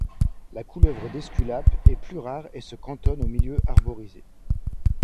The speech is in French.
La couleuvre d'Esculape est plus rare et se cantonne aux milieux arborisés.